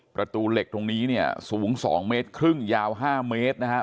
ประตูเหล็กตรงนี้เนี่ยสูง๒เมตรครึ่งยาว๕เมตรนะครับ